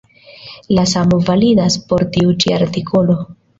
La samo validas por tiu ĉi artikolo.